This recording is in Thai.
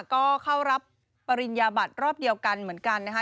ก็เข้ารับปริญญาบัตรรอบเดียวกันเหมือนกันนะคะ